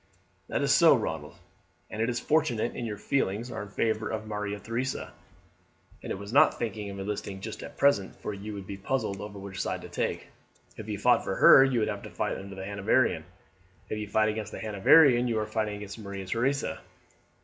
"That is so, Ronald, and it's fortunate, if your feelings are in favour of Maria Theresa, that we are not thinking of enlisting just at present, for you would be puzzled which side to take. If you fought for her you would have to fight under the Hanoverian; if you fight against the Hanoverian you are fighting against Maria Theresa."